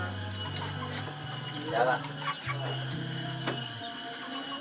tidak ada apa apa